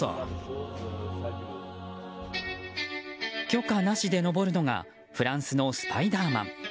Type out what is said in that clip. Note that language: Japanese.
許可なしで登るのがフランスのスパイダーマン。